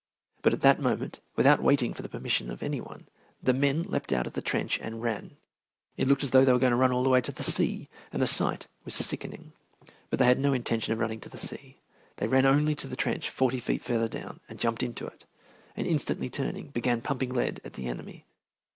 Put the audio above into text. But at that moment, without waiting for the permission of any one, the men leaped out of the trench and ran. It looked as though they were going to run all the way to the sea, and the sight was sickening. But they had no intention of running to the sea. They ran only to the trench forty feet farther down and jumped into it, and instantly turning, began pumping lead at the enemy.